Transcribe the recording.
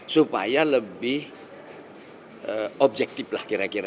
supaya lebih objektif lah kira kira